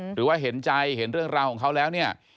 หรือว่าเห็นใจเห็นเรื่องราวของเขาแล้วเนี่ย